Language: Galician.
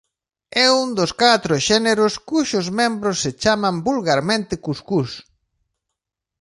É un dos catro xéneros cuxos membros se chaman vulgarmente cuscús.